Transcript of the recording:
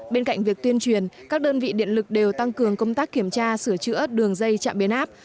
bên cạnh việc tuyên truyền các đơn vị điện lực đều tăng cường công tác kiểm tra sửa chữa đường dây trạm biến áp